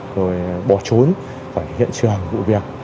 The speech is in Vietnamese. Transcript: rồi bỏ trốn khỏi hiện trường vụ việc